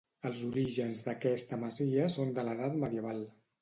Els orígens d'aquesta masia són de l'edat medieval.